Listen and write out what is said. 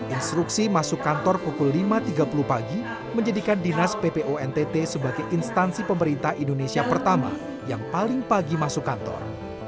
instruksi masuk kantor pukul lima tiga puluh pagi menjadikan dinas ppo ntt sebagai instansi pemerintah indonesia pertama yang paling pagi masuk kantor